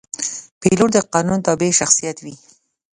پیلوټ د قانون تابع شخصیت وي.